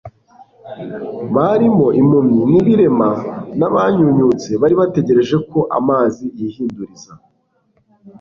barimo impumyi n’ibirema, n’abanyunyutse bari bategereje ko amazi yihinduriza”